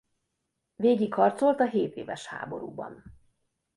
Végig harcolt a hétéves háborúban.